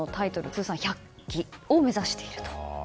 通算１００期を目指していると。